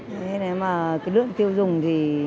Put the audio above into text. thế này mà cái lượng tiêu dùng thì